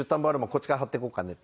こっちからはってこうかね」